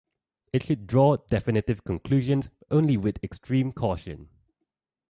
It should draw definitive conclusions only with extreme caution.